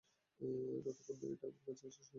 যতক্ষণ ওটা আমার কাছে না আসে, সেটা সমস্যা।